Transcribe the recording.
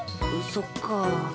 そっか。